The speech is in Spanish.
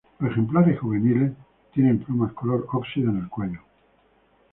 Los ejemplares juveniles tienen plumas color óxido en el cuello.